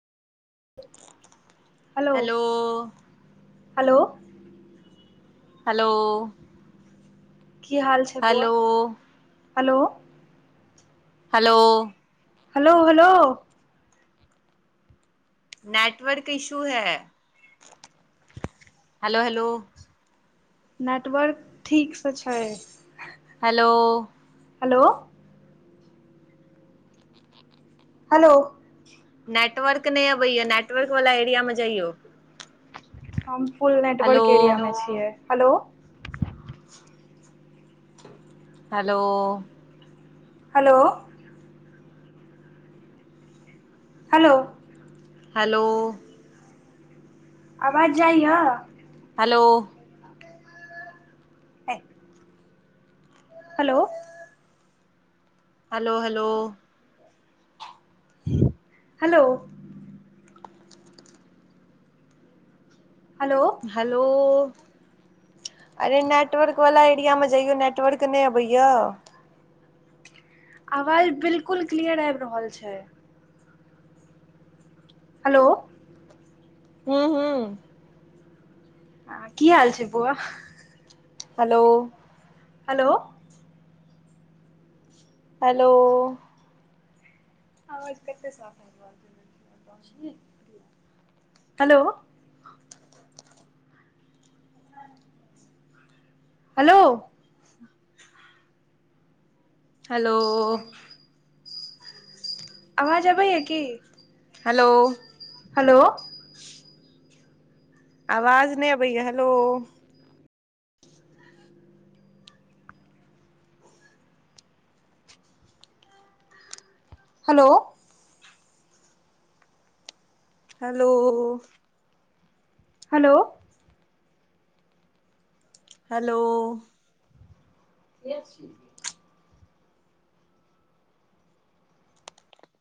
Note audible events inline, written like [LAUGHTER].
hello hello hello की हाल छै बौआ hello hello hello hello hello network issue है हेलो हेलो नेटवर्क ठीकसँ छै हेलो हेलो हेलो नेटवर्क नहि अबैया नेटवर्क वाला एरिया मे जइयो हम फुल हेलो नेटवर्क एरिया मे छियै hello hello hello hello hello आवाज जाइयाए hello [UNINTELLIGIBLE] hello hello hello hello hello hello अरे नेटवर्क वाला एरियामे जइयो नेटवर्क नहि अबैया आवाज बिल्कुल क्लियर आबि रहल छै हलो हू हू आ की हाल छै ब‌उआ hello hello hello hello [UNINTELLIGIBLE] hello hello आवाज अबैय की हलो हलो आवाज नहि अबैय hello hello hello hello hello छी